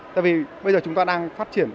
tại vì bây giờ chúng ta đang phát triển